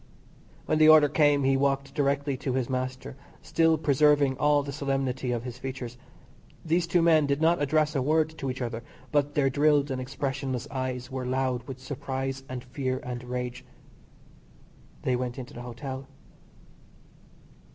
When the order came he walked directly to his master, still preserving all the solemnity of his features. These two men did not address a word to each other, but their drilled and expressionless eyes were loud with surprise and fear and rage. They went into the Hotel.